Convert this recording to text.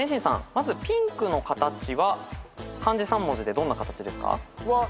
まずピンクの形は漢字３文字でどんな形ですか？